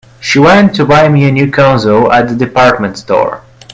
She went to buy me a new console at the department store.